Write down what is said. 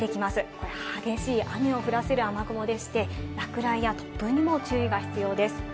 これ激しい雨を降らせる雨雲でして、落雷や突風にも注意が必要です。